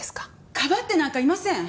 かばってなんかいません！